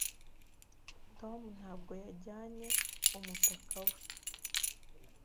Tom ntabwo yajyanye umutaka we.